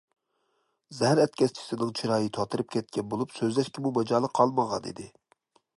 زەھەر ئەتكەسچىسىنىڭ چىرايى تاتىرىپ كەتكەن بولۇپ، سۆزلەشكىمۇ ماجالى قالمىغانىدى.